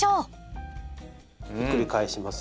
ひっくり返します。